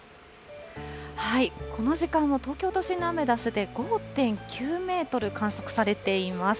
この時間は東京都心のアメダスで５．９メートル観測されています。